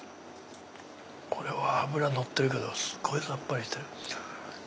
これは脂のってるけどすごいさっぱりしてる。